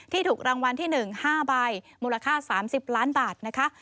ถูกรางวัลที่๑๕ใบมูลค่า๓๐ล้านบาทนะคะ